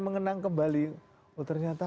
mengenang kembali oh ternyata